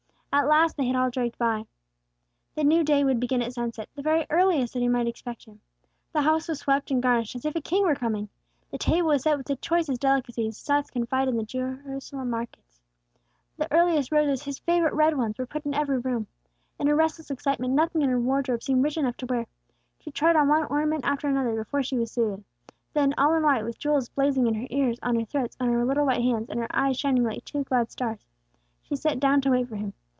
At last they had all dragged by. The new day would begin at sunset, the very earliest time that she might expect him. The house was swept and garnished as if a king were coming. The table was set with the choicest delicacies Seth could find in the Jerusalem markets. The earliest roses, his favorite red ones, were put in every room. In her restless excitement nothing in her wardrobe seemed rich enough to wear. She tried on one ornament after another before she was suited. Then, all in white, with jewels blazing in her ears, on her throat, on her little white hands, and her eyes shining like two glad stars, she sat down to wait for him.